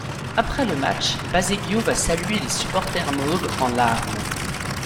Après le match, Baseggio va saluer les supporters mauves, en larmes.